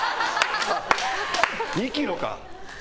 ２ｋｇか。